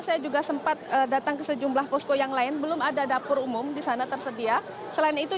saya juga sempat datang ke sejumlah posko yang lain belum ada dapur umum di sana tersedia selain itu